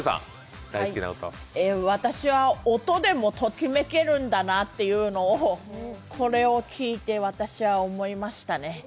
私は音でもときめけるんだなというのをこれを聞いて私は思いましたね。